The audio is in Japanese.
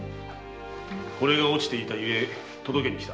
これが落ちていた故届けに来た。